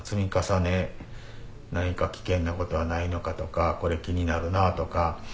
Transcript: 何か危険なことはないのかとかこれ気になるなとか。